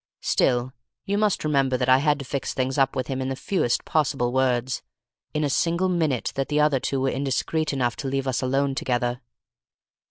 Still you must remember that I had to fix things up with him in the fewest possible words, in a single minute that the other two were indiscreet enough to leave us alone together."